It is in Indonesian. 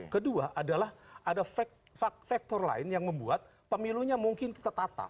kedua adalah ada faktor lain yang membuat pemilunya mungkin tertata